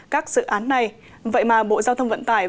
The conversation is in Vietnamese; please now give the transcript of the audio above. các dự án này vậy mà bộ giao thông vận tải